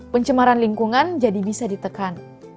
pencemaran lingkungan jadi bisa ditekan